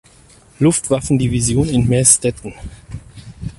Luftwaffendivision in Meßstetten.